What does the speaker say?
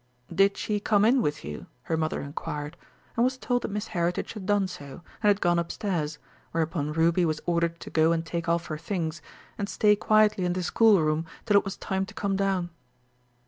"Did she come in with you?" her mother inquired, and was told that Miss Heritage had done so, and had gone upstairs, whereupon Ruby was ordered to go and take off her things, and stay quietly in the schoolroom till it was time to come down.